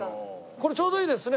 これちょうどいいですね。